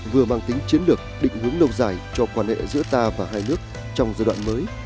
vừa mang tính chiến lược định hướng lâu dài cho quan hệ giữa ta và hai nước trong giai đoạn mới